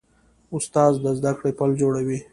استاد د زدهکړې پل جوړوي.